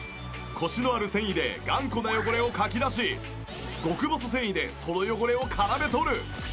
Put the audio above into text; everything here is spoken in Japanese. コシのある繊維で頑固な汚れをかき出し極細繊維でその汚れを絡め取る。